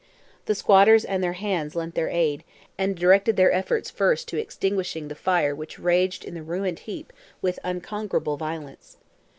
The squatters and their "hands" lent their aid, and directed their efforts first to extinguishing the fire which raged in the ruined heap with unconquerable violence.